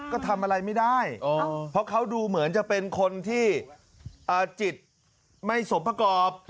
ก็ทำอะไรไม่ได้เพราะเขาดูเหมือนจะเป็นคนที่จิตไม่สมประกอบ